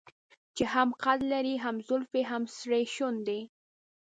چې هم قد لري هم زلفې هم سرې شونډې.